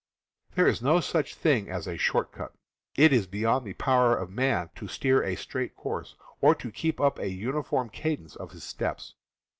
There is no such thing as a short cut. It is beyond the power of man to steer a straight course, or to keep up a uniform cadence of his steps.